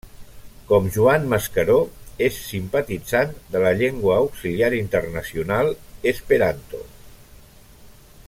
Com Joan Mascaró, és simpatitzant de la llengua auxiliar internacional esperanto.